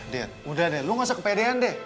dan udah deh lo gak usah kepedean deh